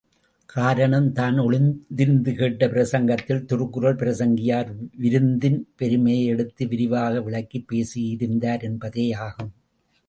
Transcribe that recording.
காரணம் தான் ஒளிந்திருந்து கேட்ட பிரசங்கத்தில் திருக்குறள் பிரசங்கியார் விருந்தின் பெருமையை எடுத்து விரிவாக விளக்கிப் பேசியிருந்தார் என்பதேயாகும்.